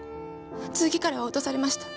次からは脅されました。